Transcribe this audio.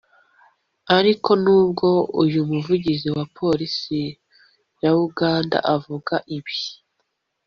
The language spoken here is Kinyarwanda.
Ariko n’ubwo uyu muvugizi wa Polisi ya Uganda avuga ibi